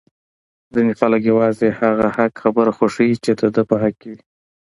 ځینی خلک یوازی هغه حق خبره خوښوي چې د ده په حق کي وی!